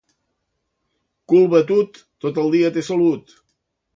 Cul batut, tot el dia té salut.